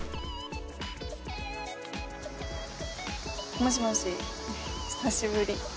もしもし久しぶり。